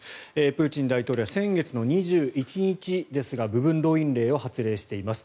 プーチン大統領は先月２１日ですが部分動員令を発令しています。